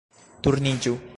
- Turniĝu